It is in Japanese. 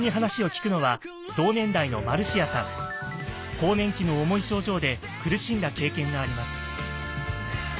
更年期の重い症状で苦しんだ経験があります。